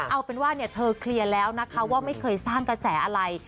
เอาเป็นว่าเธอเคลียร์แล้วนะคะว่าไม่เคยสร้างกระแสอะไร